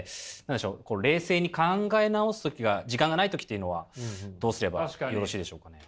冷静に考え直す時が時間がない時っていうのはどうすればよろしいでしょうかね？